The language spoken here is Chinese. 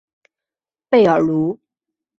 贝尔卢。